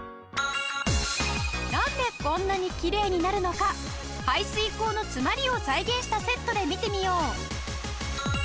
なんでこんなにキレイになるのか排水口のつまりを再現したセットで見てみよう！